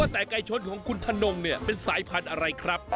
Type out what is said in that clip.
แต่ไก่ชนของคุณธนงเนี่ยเป็นสายพันธุ์อะไรครับ